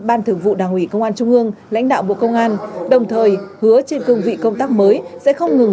ban thường vụ đảng ủy công an trung ương lãnh đạo bộ công an đồng thời hứa trên cương vị công tác mới sẽ không ngừng